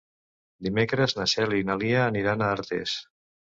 Dimecres na Cèlia i na Lia aniran a Artés.